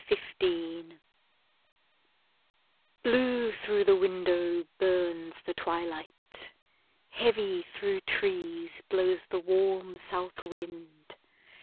March Evening Blue through the window burns the twilight; Heavy, through trees, blows the warm south wind.